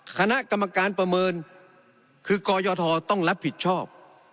คณะกรรมการประเมินคือกยทต้องรับผิดชอบ